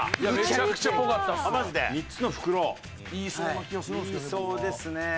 言いそうですね。